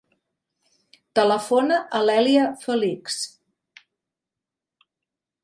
Telefona a l'Èlia Felix.